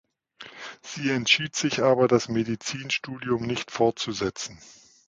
Sie entschied sich aber das Medizinstudium nicht fortzusetzen.